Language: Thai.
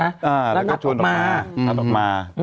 อ่าแล้วนัดออกมานัดออกมา